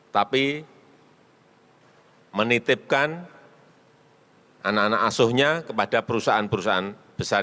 tapi menitipkan anak anak asuhnya kepada perusahaan perusahaan besar